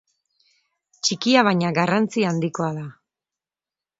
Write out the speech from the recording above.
Txikia baina garrantzi handikoa da.